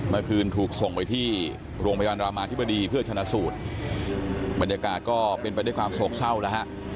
เมื่อคืนถูกส่งไปที่โรงพยาบาลรามาธิบดีเพื่อชนะสูตรบรรยากาศก็เป็นไปด้วยความโศกเศร้าแล้วฮะ